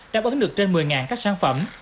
đáp ứng được trên một mươi các sản phẩm